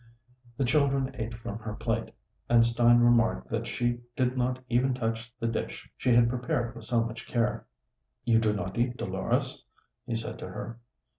The children ate from her plate, and Stein remarked that she did not even touch the dish she had prepared with so much care. "You do not eat, Dolores?" he said to her.